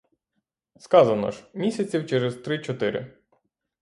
Сказано ж, місяців через три-чотири.